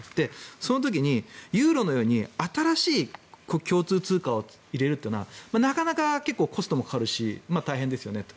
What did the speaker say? その時にユーロのように新しい共通通貨を入れるというのはなかなか結構コストもかかるし大変ですよねと。